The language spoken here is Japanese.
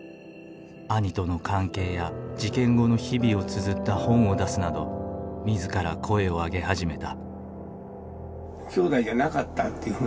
兄との関係や事件後の日々をつづった本を出すなど自ら声を上げ始めた。